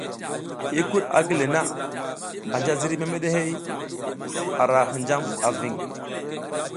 Hiykud a gi le na anja ziriy memeɗe hey a ra hinjam a ving.